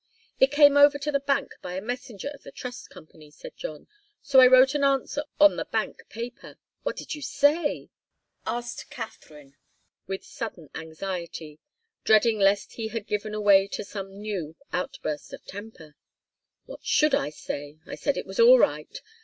"It came over to the bank by a messenger of the Trust Company," said John. "So I wrote an answer on the bank paper " "What did you say?" asked Katharine, with sudden anxiety, dreading lest he had given way to some new outburst of temper. "What should I say? I said it was all right.